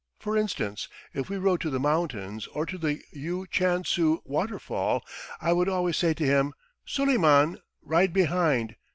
For instance, if we rode to the mountains or to the U Chan Su waterfall, I would always say to him, 'Suleiman, ride behind!